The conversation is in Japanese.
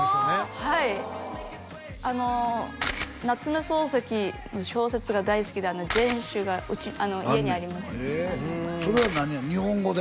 はい夏目漱石の小説が大好きで全集が家にありますあんねんへえそれは何や日本語で？